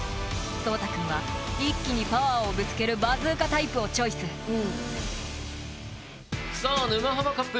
そうた君は一気にパワーをぶつけるバズーカタイプをチョイスさあ沼ハマカップ